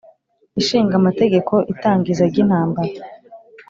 Ishinga Amategeko itangiza ry’intambara